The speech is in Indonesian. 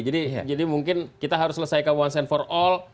jadi mungkin kita harus selesaikan one and for all